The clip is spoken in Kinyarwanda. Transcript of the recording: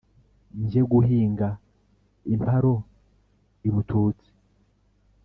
Njye guhinga imparo ibututsi*.